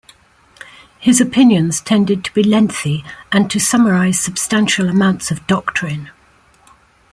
His opinions tended to be lengthy and to summarize substantial amounts of doctrine.